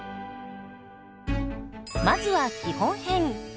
まずは基本編。